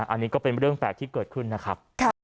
อันนี้ก็เป็นเรื่องแปลกที่เกิดขึ้นนะครับ